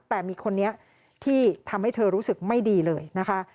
แต่มีคนนี้ที่ทำให้เธอรู้สึกไม่ดีเลยนะคะ